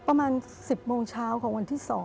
ประมาณ๑๐โมงเช้าของวันที่๒